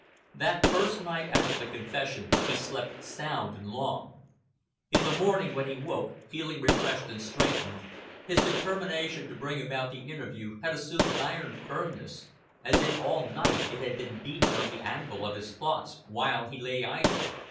That first night after the confession he slept sound and long. In the morning when he woke, feeling refreshed and strengthened, his determination to bring about the interview had assumed an iron firmness, as if all night it had been beaten on the anvil of his thoughts while he lay idle.